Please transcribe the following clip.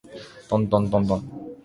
とんとんとんとん